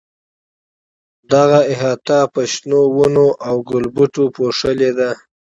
دغه احاطه په شنو ونو او ګلبوټو پوښلې ده.